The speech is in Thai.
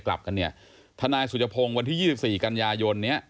กลับกันทนายสุจภงฯวันที่๒๔กรันยายน